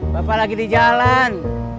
bapak lagi di jalan